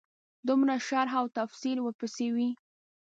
دومره شرح او تفصیل ورپسې وي.